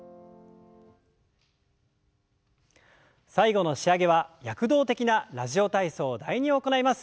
最後の仕上げは躍動的な「ラジオ体操第２」を行います。